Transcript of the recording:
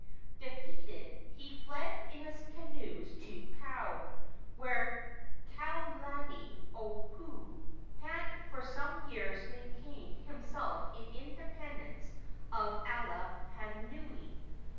Defeated, he fled in his canoes to Kau, where Kalaniopuu had for some years maintained himself in independence of Alapainui.